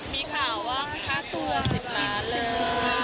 มีข่าวว่าค่าตัว๑๐ล้านเลย